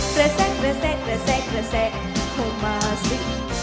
กระแสกระแสกระแสกระแสกเข้ามาสิ